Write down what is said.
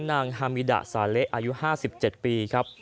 นางฮามีด้าสาเละอายุห้าสิบเจ็ดปีครับ